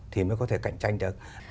thì mới có thể cạnh tranh được